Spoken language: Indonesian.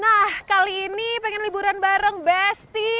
nah kali ini pengen liburan bareng besti